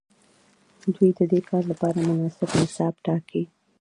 دوی ددې کار لپاره مناسب نصاب ټاکي.